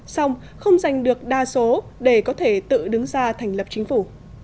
xong không giành được đa số để có thể tự đứng ra thành lập chính phủ